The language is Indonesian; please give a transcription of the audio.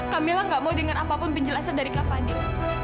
kamila enggak mau dengar apapun penjelasan dari kak fadil